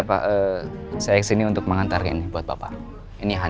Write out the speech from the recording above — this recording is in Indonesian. masa gigi masuk ke dalam dulu ya